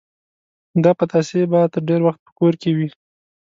دا پتاسې به تر ډېر وخت په کور کې وې.